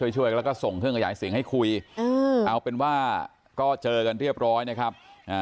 ช่วยแล้วก็ส่งเครื่องขยายเสียงให้คุยเอาเป็นว่าก็เจอกันเรียบร้อยนะครับ